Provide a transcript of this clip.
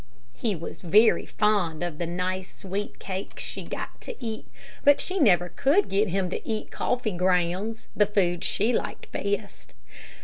He was very fond of the nice sweet cakes she got to eat, but she never could get him to eat coffee grounds the food she liked best.